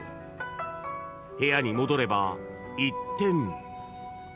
［部屋に戻れば一転］